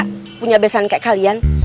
bisa juga gak punya besan kayak kalian